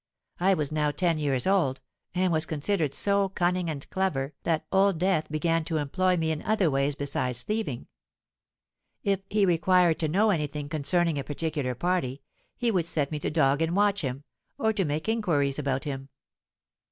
I was now ten years old, and was considered so cunning and clever that Old Death began to employ me in other ways besides thieving. If he required to know any thing concerning a particular party, he would set me to dog and watch him, or to make inquiries about him.